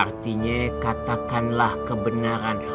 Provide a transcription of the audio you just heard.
artinya katakanlah kebenaran